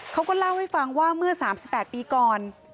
เขาก็เล่าให้ฟังว่าเมื่อ๓๘ปีก่อน